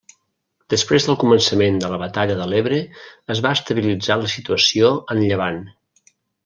Després del començament de la batalla de l'Ebre es va estabilitzar la situació en Llevant.